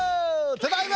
ただいま！